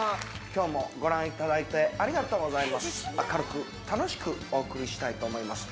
今日もご覧いただいてありがとうございます明るく楽しくお送りしたいと思います